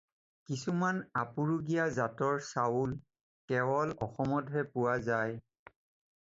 কিছুমান আপুৰুগীয়া জাতৰ চাউল কেৱল অসমতহে পোৱা যায়।